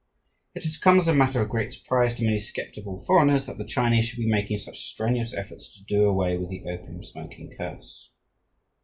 It has come as a matter of great surprise to many sceptical foreigners that the Chinese should be making such strenuous efforts to do away with the opium smoking curse.